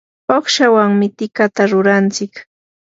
uqshawanmi tikata rurantsik.